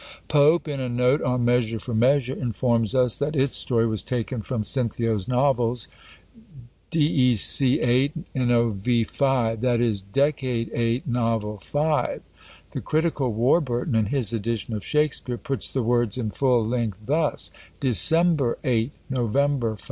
Pope, in a note on Measure for Measure, informs us, that its story was taken from Cinthio's Novels, Dec. 8. Nov. 5. That is, Decade 8, Novel 5. The critical Warburton, in his edition of Shakspeare, puts the words in full length thus, December 8, _November 5.